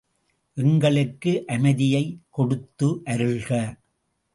எங்களுக்கு அமைதியைக் கொடுத்து அருள்க.